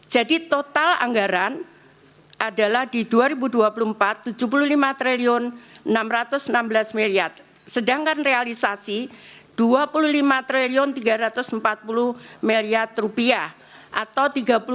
jadi total anggaran adalah di dua ribu dua puluh empat rp tujuh puluh lima enam ratus enam belas sedangkan realisasi rp dua puluh lima tiga ratus empat puluh atau tiga puluh tiga enam puluh satu